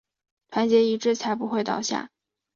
团结一致才不会倒下